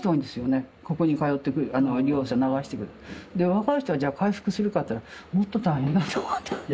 若い人はじゃあ回復するかっていったらもっと大変だと思った。